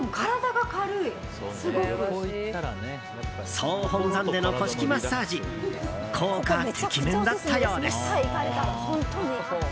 総本山での古式マッサージ効果てきめんだったようです。